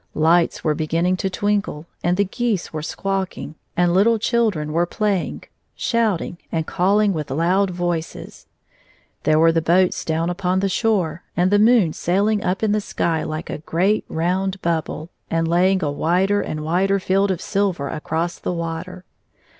Lights were beginning to twinkle, and the geese were squawking, and little children were playing, shout ing, and calling with loud voices. There were the boats do\\Ti upon the shore, and the moon sailing up in the sky like a great round bubble, and lay mg a wider and wider field of silver across the water.